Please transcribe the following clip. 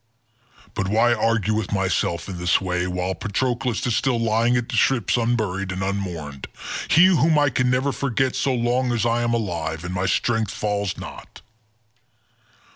But why argue with myself in this way, while Patroclus is still lying at the ships unburied, and unmourned—he whom I can never forget so long as I am alive and my strength fails not?